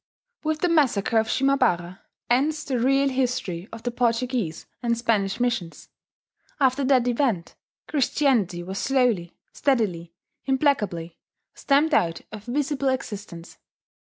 With the massacre of Shimabara ends the real history of the Portuguese and Spanish missions. After that event, Christianity was slowly, steadily, implacably stamped out of visible existence.